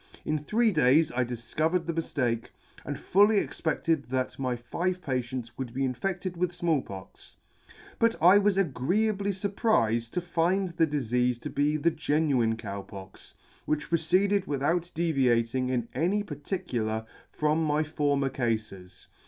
In three days I difcovered the miftake, and fully expedted that my five patients would be infedled with Small Pox ; but I was agreeably furprifed to find the difeafe to be the genuine Cow Pox, which proceeded without deviating in any particular from my [ i6i ] my former cafes.